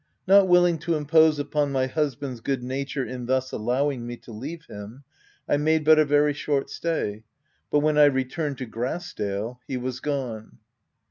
Not willing to impose upon my husband's good nature in thus allowing me to leave him, I made but a very short stay ; but when I returned to Grass dale — he w r as gone.